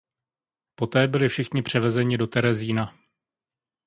Poté byli všichni převezeni do Terezína.